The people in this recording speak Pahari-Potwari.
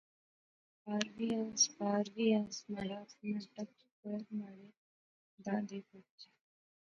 آر وی آنس، پار وی آنس، مہاڑا اپنا ٹبر، مہاڑے دادے پوترے